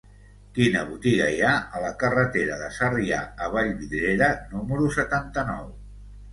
Quina botiga hi ha a la carretera de Sarrià a Vallvidrera número setanta-nou?